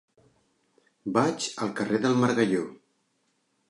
Vaig al carrer del Margalló.